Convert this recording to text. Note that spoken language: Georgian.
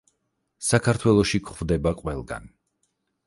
საქართველოში გვხვდება ყველგან.